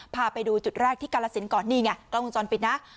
พาไปดูจุดแรกที่กาลสินก่อนนี่ไงกล้องวงจรปิดนะ